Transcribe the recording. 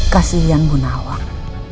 kasian bu nawang